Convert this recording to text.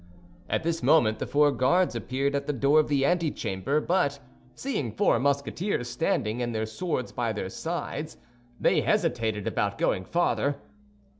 At this moment the four Guards appeared at the door of the antechamber, but seeing four Musketeers standing, and their swords by their sides, they hesitated about going farther.